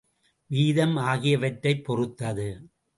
வீதம் ஆகியவற்றைப் பொறுத்தது.